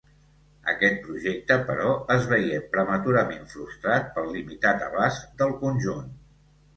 Aquest projecte, però, es veié prematurament frustrat pel limitat abast del conjunt.